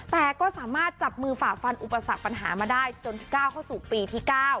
แต่ก็สามารถจับมือฝ่าฟันอุปสรรคปัญหามาได้จนก้าวเข้าสู่ปีที่๙